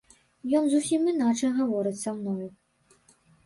Ён зусім іначай гаворыць са мною.